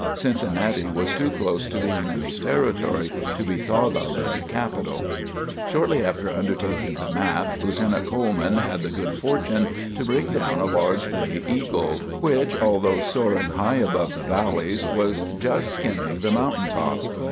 Cincinnati was too close to the enemy's territory to be thought of as a capital. Shortly before undertaking the map, Lieutenant Coleman had the good fortune to bring down a large gray eagle, which, although soaring high above the valleys, was but just skimming the mountain top.